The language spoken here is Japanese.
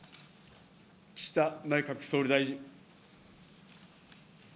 岸田内閣総理大臣。